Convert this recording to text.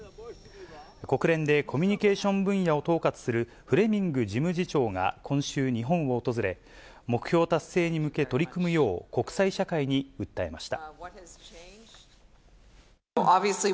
国連でコミュニケーション分野を統括するフレミング事務次長が今週、日本を訪れ、目標達成に向け取り組むよう、国際社会に訴えました。